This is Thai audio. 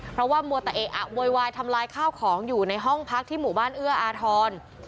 เพราะว่ามัวแต่เอะอะโวยวายทำลายข้าวของอยู่ในห้องพักที่หมู่บ้านเอื้ออาทร